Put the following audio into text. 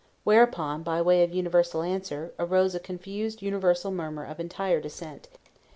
Whereupon, by way of universal answer, arose a confused universal murmur of entire dissent.